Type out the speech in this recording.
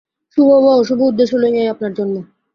শুভ বা অশুভ উদ্দেশ্য লইয়াই আপনার জন্ম।